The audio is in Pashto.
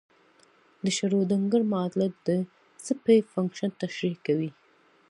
د شروډنګر معادله د څپې فنکشن تشریح کوي.